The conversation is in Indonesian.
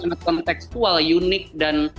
sangat kontekstual unik dan